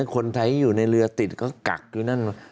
คนไทยที่อยู่ในเรือติดก็กักอยู่นั่น